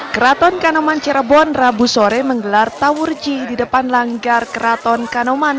keraton kanoman cirebon rabu sore menggelar tawurji di depan langgar keraton kanoman